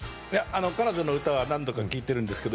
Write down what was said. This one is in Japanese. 彼女の歌は何度か聴いてるんですけど